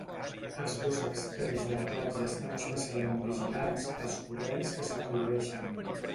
Els dos extrems de la platja estan especialment vigilats pels corrents que s'hi produeixen.